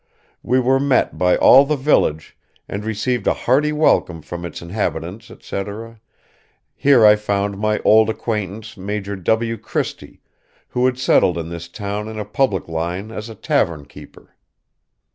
We were met by all the village and received a harty welcom from its inhabitants &c here I found my old acquaintance Maj W. Christy who had settled in this town in a public line as a Tavern Keeper.